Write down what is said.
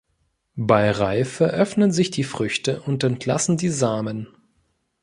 Bei Reife öffnen sich die Früchte und entlassen die Samen.